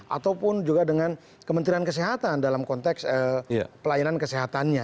ataupun juga dengan kementerian kesehatan dalam konteks pelayanan kesehatannya